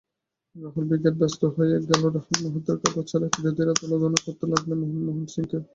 Rahul brigade ব্যস্ত হয়ে গেল রাহুল-মাহাত্ম্য প্রচারে, বিরোধীরা তুলাধোনা করতে লাগলেন মনমোহন সিংকে।